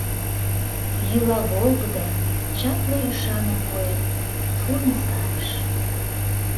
Йӱла волгыдо, чапле ӱшаным пуэн, шурнысавыш.